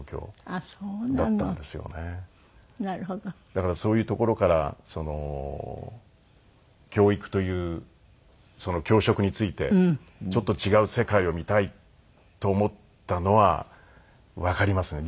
だからそういうところから教育という教職に就いてちょっと違う世界を見たいと思ったのはわかりますね。